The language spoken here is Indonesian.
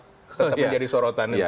tetap menjadi sorotan